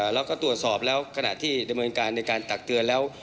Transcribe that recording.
เราก็ตรวจสอบแล้วขณะที่ดมในการตักเตือนแล้ว